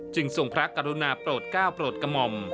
จึงส่งพระกรุณาปรดก้าวปรดกมม